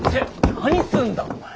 何すんだお前！